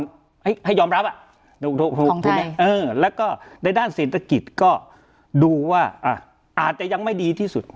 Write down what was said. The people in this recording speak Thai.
ถือว่าให้ความให้ยอมรับอ่ะเอ่อแล้วก็ในด้านศิลป์ศิลป์กิจก็ดูว่าอ่ะอาจจะยังไม่ดีที่สุด